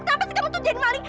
kenapa sih kamu tuh jadi maling